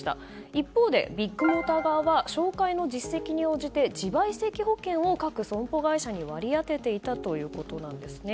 一方でビッグモーター側は紹介の実績に応じて自賠責保険を各損保会社に割り当てていたということなんです。